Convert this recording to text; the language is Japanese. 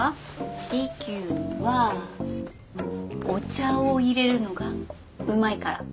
利休はお茶をいれるのがうまいから。